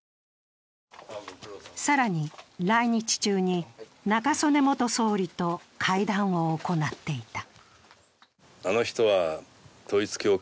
更に、来日中に中曽根元総理と会談を行っていた。